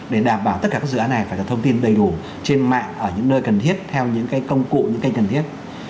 để đảm bảo tất cả các dự án này phải được thông tin đầy đủ trên mạng ở những nơi cần thiết theo những công cụ những cách cần thiết